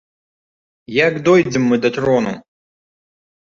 Як дойдзем мы да трону!